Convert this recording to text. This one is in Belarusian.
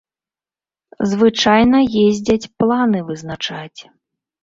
Звычайна ездзяць планы вызначаць.